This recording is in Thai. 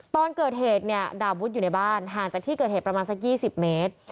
ตอนเกิดเหตุเนี่ยดาบวุฒิอยู่ในบ้านห่างจากที่เกิดเหตุประมาณสัก๒๐เมตร